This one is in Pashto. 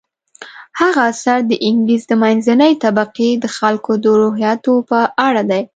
هغه اثر د انګلیس د منځنۍ طبقې د خلکو د روحیاتو په اړه دی.